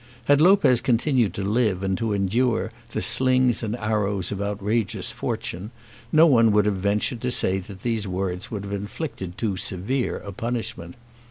Had Lopez continued to live and to endure "the slings and arrows of outrageous fortune," no one would have ventured to say that these words would have inflicted too severe a punishment.